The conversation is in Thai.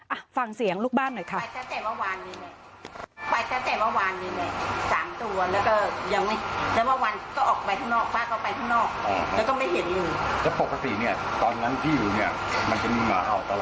อ่ะฟังเสียงลูกบ้านหน่อยค่ะ